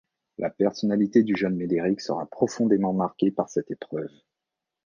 La personnalité du jeune Médéric sera profondément marquée par cette épreuve.